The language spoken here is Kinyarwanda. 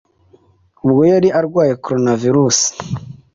ubwo yari arwaye Coronavirus